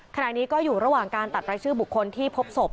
ขณะนี้ก็อยู่ระหว่างการตัดรายชื่อบุคคลที่พบศพ